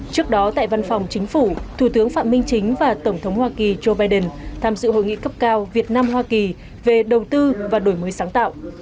trước đó tại văn phòng chính phủ thủ tướng phạm minh chính và tổng thống hoa kỳ joe biden tham dự hội nghị cấp cao việt nam hoa kỳ về đầu tư và đổi mới sáng tạo